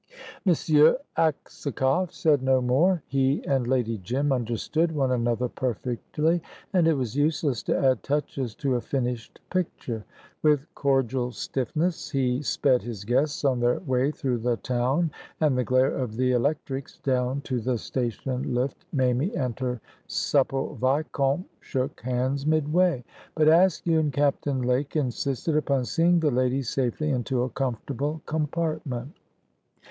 Monsieur Aksakoff said no more. He and Lady Jim understood one another perfectly, and it was useless to add touches to a finished picture. With cordial stiffness he sped his guests on their way through the town and the glare of the electrics down to the station lift Mamie and her supple vicomte shook hands midway; but Askew and Captain Lake insisted upon seeing the ladies safely into a comfortable compartment.